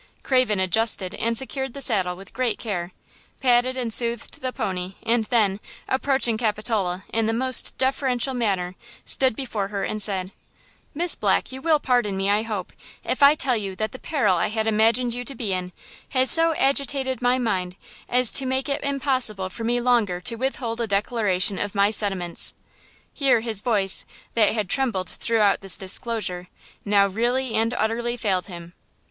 Craven adjusted and secured the saddle with great care, patted and soothed the pony and then, approaching Capitola in the most deferential manner, stood before her and said: "Miss Black, you will pardon me, I hope, if I tell you that the peril I had imagined you to be in has so agitated my mind as to make it impossible for me longer to withhold a declaration of my sentiments–" Here his voice, that had trembled throughout this disclosure, now really and utterly failed him.